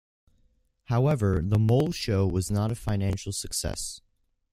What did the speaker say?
However, the Mole Show was not a financial success.